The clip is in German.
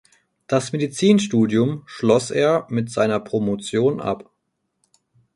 Das Medizinstudium schloss er mit seiner Promotion ab.